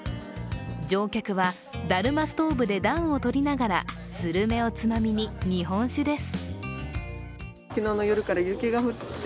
乗客は、だるまストーブで暖をとりながらするめをつまみに、日本酒です。